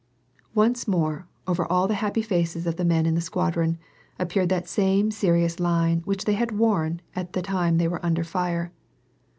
Once more, over all the happy faces of the men in the squad ron, appeared that same serious line which they had worn at the time that they were under fire.